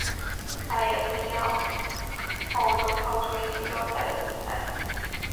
他也参加欧洲跳水锦标赛的比赛。